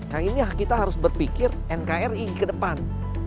nah ini kita harus berpikir nkri ke depan